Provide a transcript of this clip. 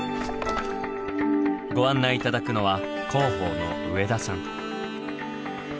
ご案内頂くのは広報の上田さん。